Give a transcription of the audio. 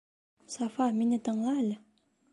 Сафа, мине тыңла әле!